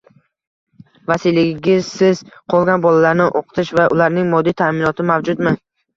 vasiyligisiz qolgan bolalarni o‘qitish va ularning moddiy ta’minoti mavjudmi?